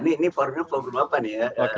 ini formnya form berapa nih ya